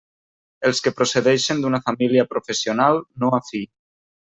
Els que procedeixen d'una família professional no afí.